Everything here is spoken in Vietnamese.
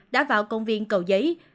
đã vào công viên cầu giấy